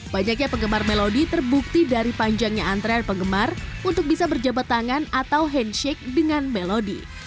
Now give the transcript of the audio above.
banyaknya penggemar melodi terbukti dari panjangnya antrean penggemar untuk bisa berjabat tangan atau handshake dengan melodi